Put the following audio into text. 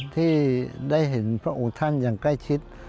ที่ได้เห็นพระองค์ท่านอย่างใกล้ชิด